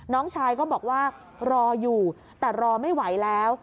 น้องชายก็บอกว่ารออยู่แต่รอไม่ไหวแล้ว